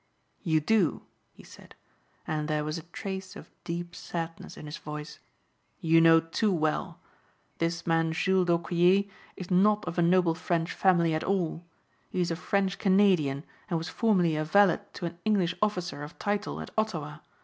"You do," he said, and there was a trace of deep sadness in his voice. "You know too well. This man Jules d'Aucquier is not of a noble French family at all. He is a French Canadian and was formerly a valet to an English officer of title at Ottawa.